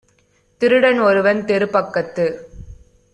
திருடன் ஒருவன் தெருப்பக்கத்து